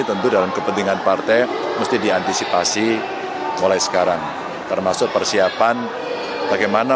tentu dalam kepentingan partai mesti diantisipasi mulai sekarang termasuk persiapan bagaimana